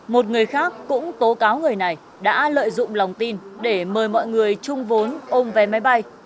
một người khác cũng tố cáo người này đã lợi dụng lòng tin để mời mọi người chung vốn ôm vé máy bay